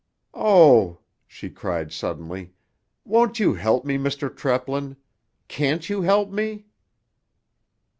"Oh!" she cried suddenly. "Won't you help me, Mr. Treplin? Can't you help me?"